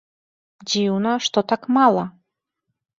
Дзіўна, што так мала.